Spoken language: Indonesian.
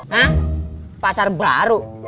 ha pasar baru